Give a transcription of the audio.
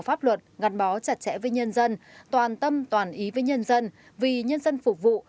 pháp luật ngặt bó chặt chẽ với nhân dân toàn tâm toàn ý với nhân dân vì nhân dân phục vụ